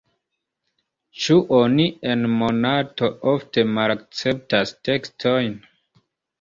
Ĉu oni en Monato ofte malakceptas tekstojn?